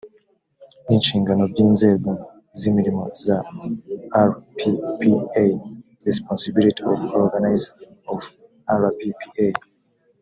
n inshingano by inzego z imirimo za rppa responsibilities of organs of rppa